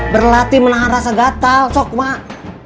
berlatih menahan rasa gatel sok mak